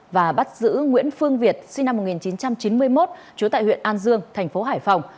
và bắt giữ nguyễn phương việt sinh năm một nghìn chín trăm chín mươi một trú tại huyện an dương thành phố hải phòng